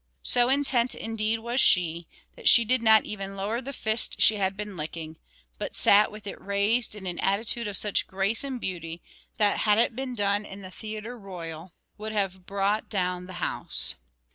So intent, indeed, was she, that she did not even lower the fist she had been licking; but sat with it raised in an attitude of such grace and beauty, that, had it been done in the theatre royal, would have brought down the house.